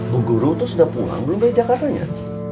bu guru tuh sudah pulang belum dari jakarta ya